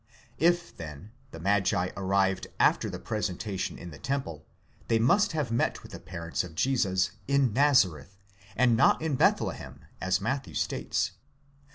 If, then, the magi arrived after the presentation in the temple, they must have met with the parents of Jesus in Nazareth, and not in Bethlehem, as Matthew states.